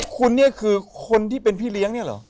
คุณเนี่ยคือคนที่เป็นพี่เลี้ยงเนี่ยเหรอ